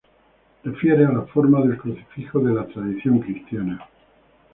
Refiere a la forma del crucifijo de la tradición cristiana.